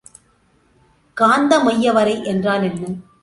காந்த மையவரை என்றால் என்ன?